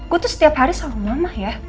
gue tuh setiap hari sama mama ya